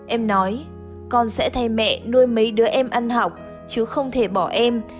em nói con sẽ thay mẹ nuôi mấy đứa em ăn học chứ không thể bỏ em